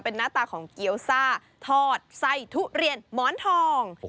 เป็นหน้าตาของเกี้ยวซ่าทอดไส้ทุเรียนหมอนทอง